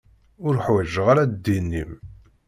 Ur ḥwaǧeɣ ara ddin-im.